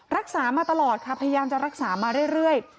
รักษามาตลอดค่ะพยายามจะรักษามาเรื่อย